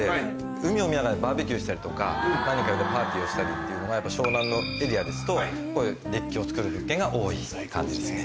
海を見ながらバーベキューしたりとか何人か呼んでパーティーをしたりっていうのが湘南のエリアですとこういうデッキを作る物件が多い感じですね。